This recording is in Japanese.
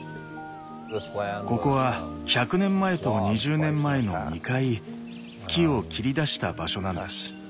ここは１００年前と２０年前の２回木を切り出した場所なんです。